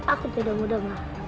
aku tidak muda ma